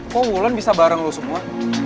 kok wulan bisa bareng loh semua